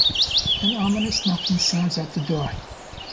An ominous knocking sounds at the door.